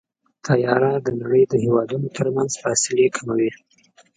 طیاره د نړۍ د هېوادونو ترمنځ فاصلې کموي.